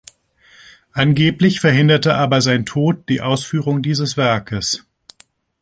Angeblich verhinderte aber sein Tod die Ausführung dieses Werkes.